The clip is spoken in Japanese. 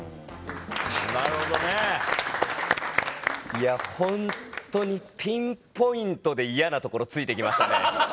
いやホントにピンポイントで嫌なところ突いて来ましたね。